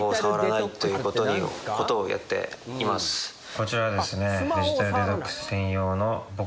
こちらがですね。